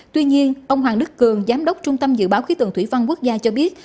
tuy nhiên ông hoàng đức cường giám đốc trung tâm dự báo khí tượng thủy văn quốc gia cho biết